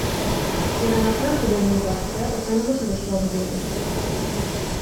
In einer Fernsehsendung sagt er, dass seine Mutter gestorben wäre.